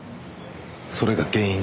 それが原因で。